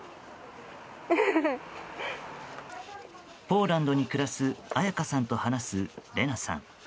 ポーランドに暮らす綾香さんと話すレナさん。